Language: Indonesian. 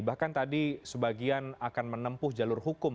bahkan tadi sebagian akan menempuh jalur hukum